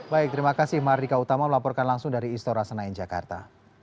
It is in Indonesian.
baik terima kasih mardika utama melaporkan langsung dari istora senayan jakarta